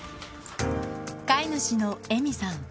飼い主の恵美さん。